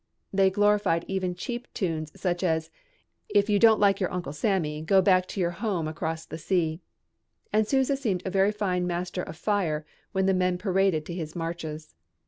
They glorified even cheap tunes such as "If You Don't Like Your Uncle Sammy Go Back to Your Home Across the Sea," and Sousa seemed a very master of fire when the men paraded to his marches.